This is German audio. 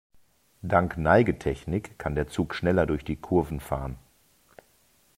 Dank Neigetechnik kann der Zug schneller durch die Kurven fahren.